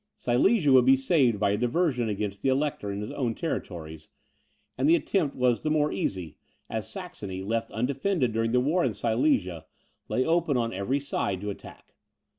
Silesia would be saved by a diversion against the Elector in his own territories, and the attempt was the more easy, as Saxony, left undefended during the war in Silesia, lay open on every side to attack.